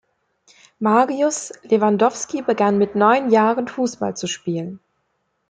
Mariusz Lewandowski begann mit neun Jahren, Fußball zu spielen.